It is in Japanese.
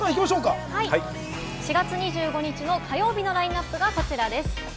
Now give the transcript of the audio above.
４月２５日、火曜日のラインナップ、こちらです。